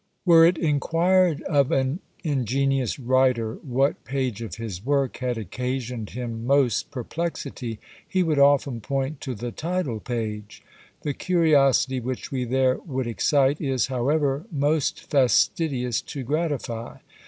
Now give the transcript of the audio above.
Were it inquired of an ingenious writer what page of his work had occasioned him most perplexity, he would often point to the title page. The curiosity which we there would excite, is, however, most fastidious to gratify.